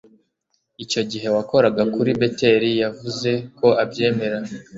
icyo gihe wakoraga kuri beteli yavuze ko abyemera